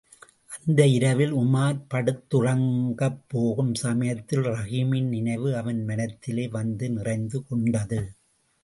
அந்த இரவில் உமார் படுத்துறங்கப் போகும் சமயத்தில் ரஹீமின் நினைவு அவன் மனத்திலே வந்து நிறைந்து கொண்டது.